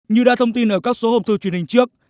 như đã thông tin ở các số hộp thư truyền hình trước